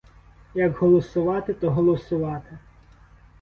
Як голосувати, то голосувати!